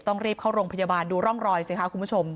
ต้องรีบเข้าโรงพยาบาลดูร่องรอยสิคะคุณผู้ชม